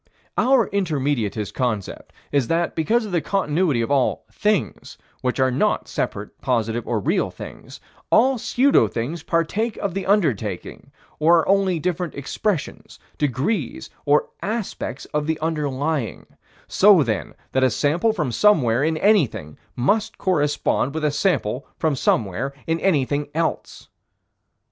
Our Intermediatist concept is that, because of the continuity of all "things," which are not separate, positive, or real things, all pseudo things partake of the underlying, or are only different expressions, degrees, or aspects of the underlying: so then that a sample from somewhere in anything must correspond with a sample from somewhere in anything else.